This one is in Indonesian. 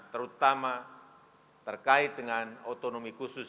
terutama terkait dengan otonomi khusus